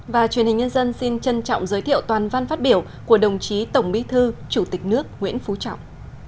và truyền hình nhân dân xin trân trọng giới thiệu toàn văn phát biểu của đồng chí tổng bí thư chủ tịch nước nguyễn phú trọng